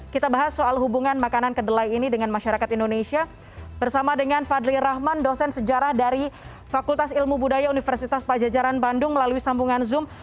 kita bahas soal hubungan makanan kedelai ini dengan masyarakat indonesia bersama dengan fadli rahman dosen sejarah dari fakultas ilmu budaya universitas pajajaran bandung melalui sambungan zoom